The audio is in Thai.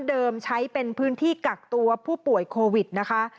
ใช้เป็นพื้นที่กักตัวผู้ป่วยโควิดนะคะ